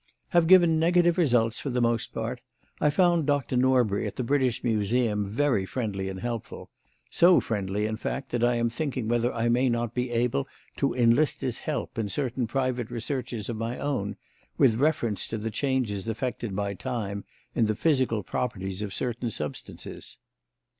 "Have given negative results for the most part. I found Doctor Norbury, at the British Museum, very friendly and helpful; so friendly, in fact, that I am thinking whether I may not be able to enlist his help in certain private researches of my own, with reference to the changes effected by time in the physical properties of certain substances."